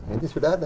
ini sudah ada